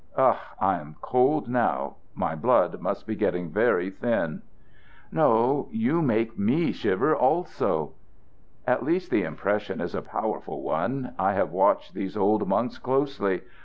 Ugh! I am cold now. My blood must be getting very thin." "No; you make me shiver also." "At least the impression is a powerful one. I have watched these old monks closely.